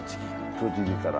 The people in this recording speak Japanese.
栃木から。